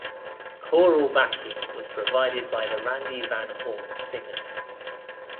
Choral backing was provided by The Randy Van Horne Singers.